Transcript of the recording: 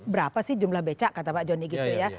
berapa sih jumlah becak kata pak joni gitu ya